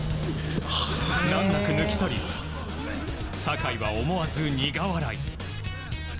難なく抜き去り酒井は思わず苦笑い。